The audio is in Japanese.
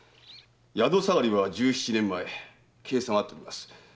宿下がりは十七年前計算は合っております。